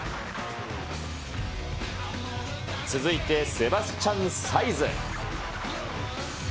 続いて、セバスチャン・サイズ。